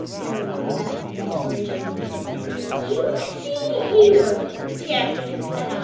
Mary drew back in desperation. "You see here, Dannie Micnoun!"